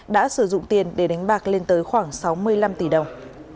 đã sử dụng tiền để đánh bạc lên tới khoảng sáu mươi năm tỷ đồng